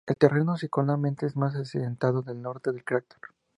El terreno circundante es más accidentado al norte del cráter.